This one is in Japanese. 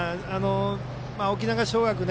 沖縄尚学